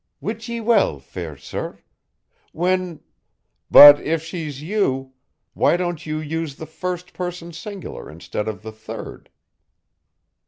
"Wit ye well, fair sir. When " "But if she's you, why don't you use the first person singular instead of the third?"